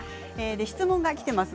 質問がきています。